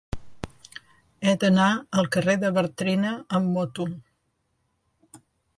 He d'anar al carrer de Bartrina amb moto.